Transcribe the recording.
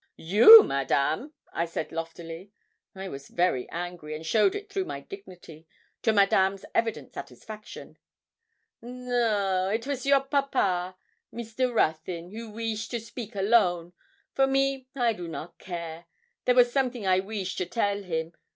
'You! Madame!' I said loftily. I was very angry, and showed it through my dignity, to Madame's evident satisfaction. 'No it was your papa, Mr. Ruthyn, who weesh to speak alone; for me I do not care; there was something I weesh to tell him.